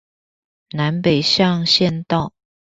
南北向縣道